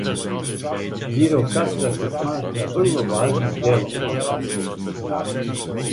Ђирокастра се сматра врло важним делом балканског наслеђа.